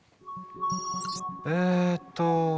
えっと